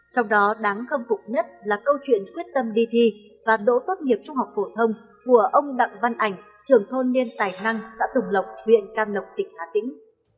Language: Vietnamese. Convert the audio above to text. trong đó đáng khâm phục nhất là câu chuyện quyết tâm đi thi và đỗ tốt nghiệp trung học phổ thông của ông đặng văn ảnh trưởng thôn niên tài năng xã tùng lộc huyện cam lộc tỉnh hà tĩnh